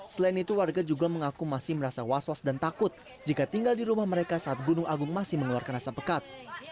selain itu warga juga mengaku masih merasa was was dan takut jika tinggal di rumah mereka saat gunung agung masih mengeluarkan rasa pekat